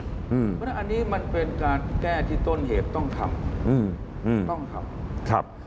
เพราะว่าอันนี้มันเป็นการแก้ที่ต้นเหตุต้องทำ